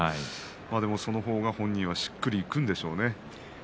でも、その方が本人はしっくりくるんでしょうね。